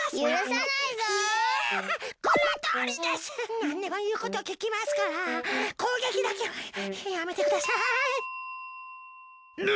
なんでもいうことききますからこうげきだけはやめてください！